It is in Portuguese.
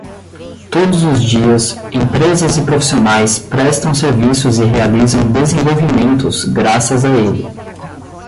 Todos os dias, empresas e profissionais prestam serviços e realizam desenvolvimentos graças a ele.